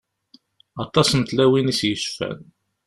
Aṭas n tlawin i s-yecfan.